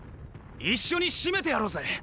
一緒にシメてやろうぜ。